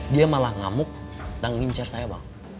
dia malah ngamuk dan ngincar saya bang